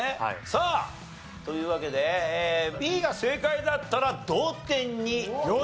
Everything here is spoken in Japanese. さあというわけでＢが正解だったら同点になります。